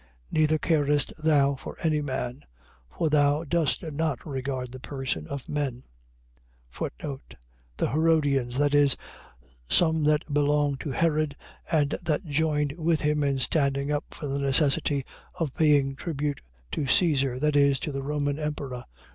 Neither carest thou for any man: for thou dost not regard the person of men. The Herodians. . .That is, some that belonged to Herod, and that joined with him in standing up for the necessity of paying tribute to Caesar, that is, to the Roman emperor.